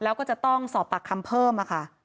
แล้วก็จะต้องสอบปากคำเพิ่มค่ะ